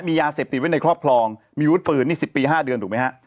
มียาเสพติดไว้ในครอบครองมีวุฒิปืนนี่๑๐ปี๕เดือนถูกไหมฮะ